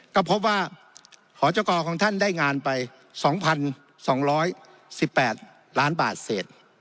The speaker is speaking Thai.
ก็พบว่าหจกรของท่านได้งานไป๒๒๑๘ล้านบาทเศษ